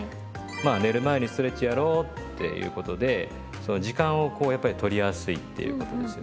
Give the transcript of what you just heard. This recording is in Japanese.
まあ寝る前にストレッチやろうっていうことでその時間をこうやっぱり取りやすいっていうことですよね。